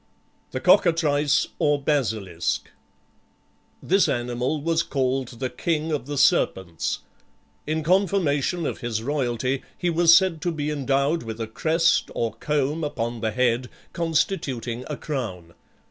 THE COCKATRICE, OR BASILISK This animal was called the king of the serpents. In confirmation of his royalty, he was said to be endowed with a crest, or comb upon the head, constituting a crown.